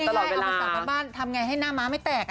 ทำยังไงเอาภาษาบรรดบ้านทำยังไงให้หน้ามาไม่แตก